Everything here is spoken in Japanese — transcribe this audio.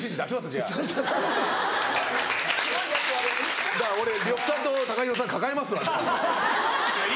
じゃあ俺呂布さんとＴＡＫＡＨＩＲＯさん抱えますわ。